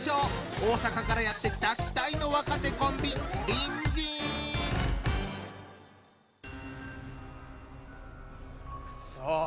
大阪からやって来た期待の若手コンビくそ